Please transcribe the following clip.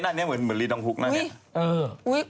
อันนี้เหมือนรีดองฮุกนะเนี่ย